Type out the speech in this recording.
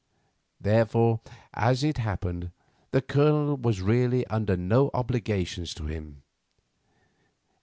Therefore, as it happened, the Colonel was really under no obligations to him.